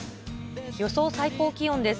予想最高気温です。